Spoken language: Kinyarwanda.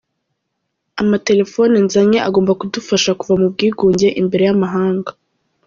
Amatelefone nzanye agomba kudufahsa kuva mu bwigunge imbere y’amahanga”.